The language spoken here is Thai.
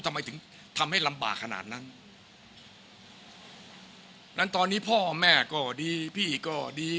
ทำไมถึงทำให้ลำบากขนาดนั้นตอนนี้พ่อแม่ก็ดีพี่ก็ดี